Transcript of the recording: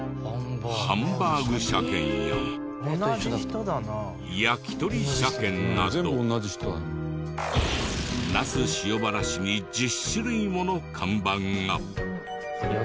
ハンバーグ車検ややきとり車検など那須塩原市に１０種類もの看板が。